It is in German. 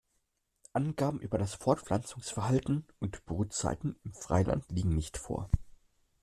Angaben über das Fortpflanzungsverhalten und Brutzeiten im Freiland liegen nicht vor.